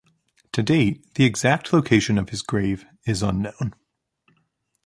To date, the exact location of his grave is unknown.